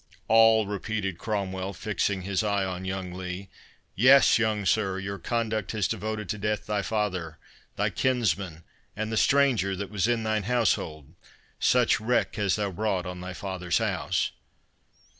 "All"—repeated Cromwell, fixing his eye on young Lee. "Yes, young sir, your conduct has devoted to death thy father, thy kinsman, and the stranger that was in thine household. Such wreck hast thou brought on thy father's house."